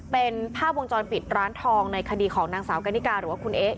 เป็นภาพวงจรปิดร้านทองในคดีของนางสาวกันนิกาหรือว่าคุณเอ๊ะ